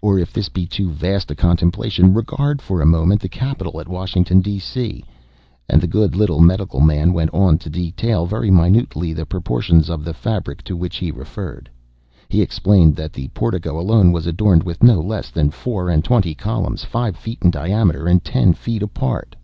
or if this be too vast a contemplation, regard for a moment the Capitol at Washington, D. C.!"—and the good little medical man went on to detail very minutely, the proportions of the fabric to which he referred. He explained that the portico alone was adorned with no less than four and twenty columns, five feet in diameter, and ten feet apart.